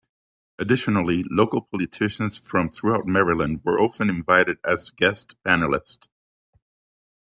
Additionally, local politicians from throughout Maryland were often invited as guest panelists.